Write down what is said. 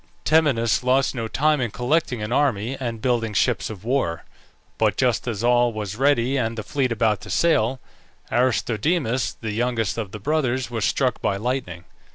Temenus lost no time in collecting an army and building ships of war; but just as all was ready and the fleet about to sail, Aristodemus, the youngest of the brothers, was struck by lightning.